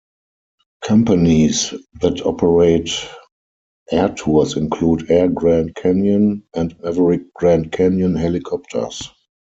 Companies that operate air tours include Air Grand Canyon and Maverick Grand Canyon Helicopters.